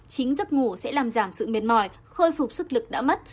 chính giấc ngủ sẽ làm giảm sự mệt mỏi khôi phục sức lực đã mất